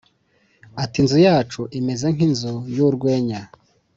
Ati Inzu yacu imeze nk’inzu y’urwenya.